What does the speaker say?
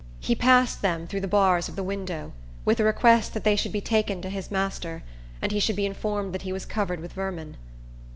He passed them through the bars of the window, with a request that they should be taken to his master, and he should be informed that he was covered with vermin.